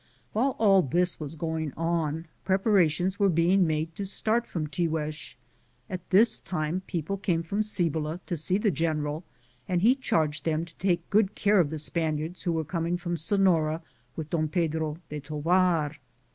While all this was going on, preparations were being made to start from Tiguex. At this time people came from Cibola to see the general, and he charged them to take good care of the Spaniards who were coming from Seflora with Don Pedro de Tovar.